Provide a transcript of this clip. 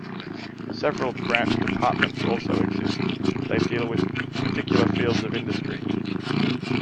Several branch departments also exist, they deal with particular fields of industry.